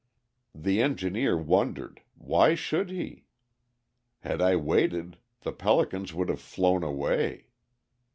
The engineer wondered. Why should he? Had I waited, the pelicans would have flown away.